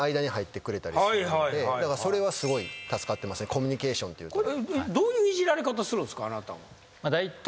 コミュニケーションというところ。